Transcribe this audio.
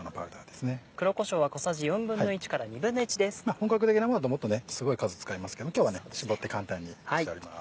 本格的なものだともっとすごい数使いますけど今日は絞って簡単にしてあります。